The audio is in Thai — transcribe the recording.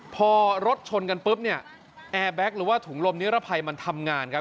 พอรถชนกันปุ๊บเนี่ยแอร์แบ็คหรือว่าถุงลมนิรภัยมันทำงานครับ